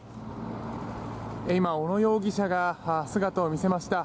今、小野容疑者が姿を見せました。